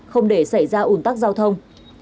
không để xảy ra ủn tắc giao thông